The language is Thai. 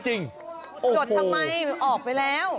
จดทำไมออกไปแล้ว